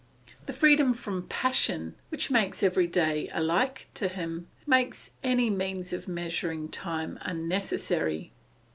The freedom from passion which makes every day alike to him, makes any means of measuring time unnecessary.